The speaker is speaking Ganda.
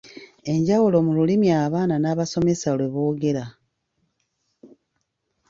Enjawulo mu lulimi abaana n’abasomesa lwe boogera.